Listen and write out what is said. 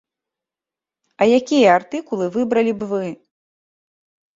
А якія артыкулы выбралі б вы?